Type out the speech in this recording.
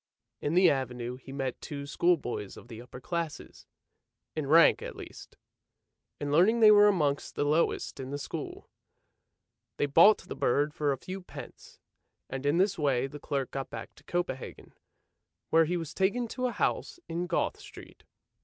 In the Avenue he met two schoolboys of the upper classes — in rank at least ; in learning they were amongst the lowest in the school. They bought the bird for a few pence, and in this way the clerk got back to Copenhagen, where he was taken to a house in Goth Street.